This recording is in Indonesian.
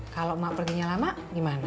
kalau emak perginya lama gimana